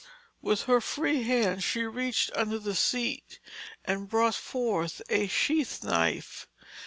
With her free hand she reached under the seat and brought forth a sheath knife.